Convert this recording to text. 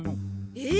えっ？